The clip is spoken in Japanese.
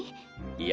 いや。